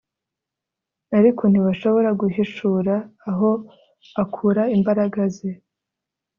ariko ntibashobora guhishura aho akura imbaraga ze